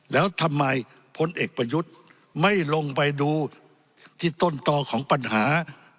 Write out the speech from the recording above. แล้วทำไมพลเอกประยุทธ์ไม่ลงไปดูที่ต้นต่อของปัญหา